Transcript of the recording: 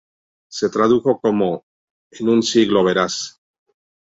Se tradujo como "En un siglo verás".